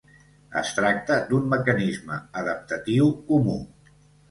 Es tracta d'un mecanisme adaptatiu comú.